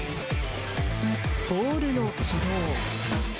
ボールの軌道。